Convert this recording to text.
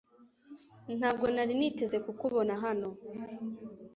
Ntabwo nari niteze kukubona hano